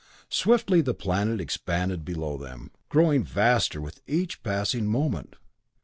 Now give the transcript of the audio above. Swiftly the planet expanded below them growing vaster with each passing moment.